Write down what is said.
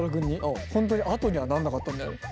本当に跡にはなんなかったんだよ。